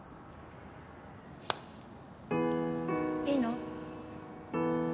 いいの？